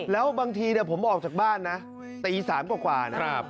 แล้วบางทีผมออกจากบ้านนะตี๓กว่านะ